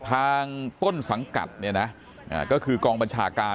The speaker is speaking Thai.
ทางต้นสังกัดเนี่ยนะก็คือกองบัญชาการ